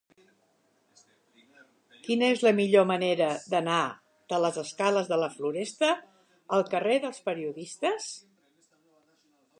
Quina és la millor manera d'anar de les escales de la Floresta al carrer dels Periodistes?